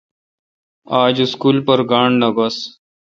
آج اسکول پر گانٹھ نہ گوس۔